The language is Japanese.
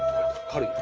軽い。